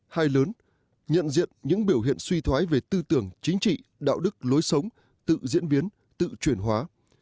hai lớn nhận diện những biểu hiện suy thoái về tư tưởng chính trị đạo đức lối sống tự diễn biến tự chuyển hóa